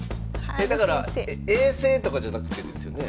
だから永世とかじゃなくてですよね？